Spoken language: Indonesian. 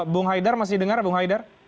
bung haidar masih dengar ya